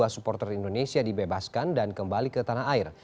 dua supporter indonesia dibebaskan dan kembali ke tanah air